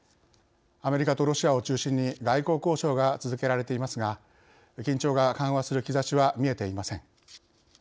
アメリカとロシアを中心に外交交渉が続けられていますが緊張が緩和する兆しは見えていません。